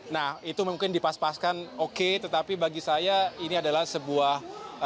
nah itu mungkin dipas paskan oke tetapi bagi saya ini adalah sebuah